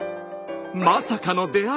まさかの出会い！